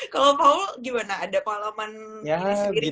kalo paul gimana ada pengalaman mirip sendiri gak